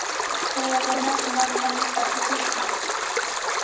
Chay runa umantami pakikushqa.